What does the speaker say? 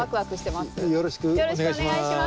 よろしくお願いします。